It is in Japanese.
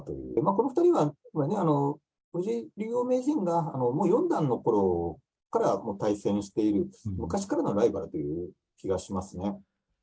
この２人は、藤井名人がもう四段のころから対戦している昔からのライバルという気がしますね。